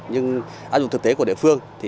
nhưng áp dụng thực tế của địa phương